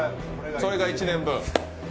それが１年分。